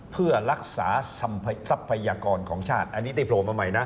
เพื่อรักษาทรัพยากรของชาติอันนี้ที่โผล่มาใหม่นะ